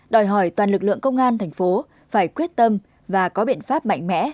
đòi hỏi toàn lực lượng công an thành phố phải quyết tâm và có biện pháp mạnh mẽ